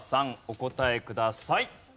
お答えください。